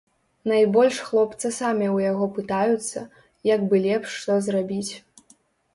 Найбольш хлопцы самі ў яго пытаюцца, як бы лепш што зрабіць.